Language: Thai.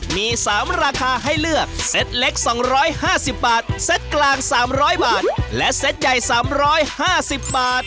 มี๓ราคาให้เลือกเซ็ตเล็ก๒๕๐บาทเซตกลาง๓๐๐บาทและเซตใหญ่๓๕๐บาท